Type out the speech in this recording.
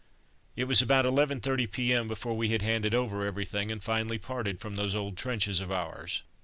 It was about 11.30 p.m. before we had handed over everything and finally parted from those old trenches of ours.